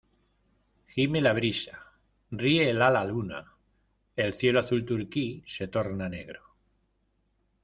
gime la brisa, riela la luna , el cielo azul turquí se torna negro